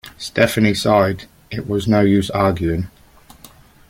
Stephanie sighed; it was no use arguing.